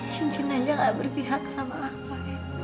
cincin aja nggak berpihak sama aku ya